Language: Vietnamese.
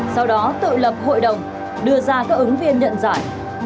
sau đó tự lập hội đồng đưa ra các ứng viên nhận giải